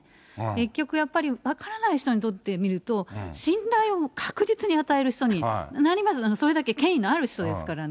結局やっぱり、分からない人にとってみると、信頼を確実に与える人に、それだけ権威のある人ですから。